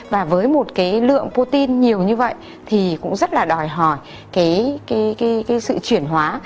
và với một cái lượng potine nhiều như vậy thì cũng rất là đòi hỏi cái sự chuyển hóa